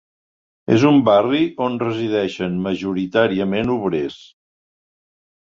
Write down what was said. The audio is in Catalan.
És un barri on resideixen majoritàriament obrers.